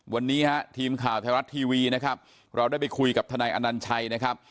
วันนี้ฮะทีมข่าวไทยรัฐทีวีนะครับเราได้ไปคุยกับทนายอนัญชัยนะครับ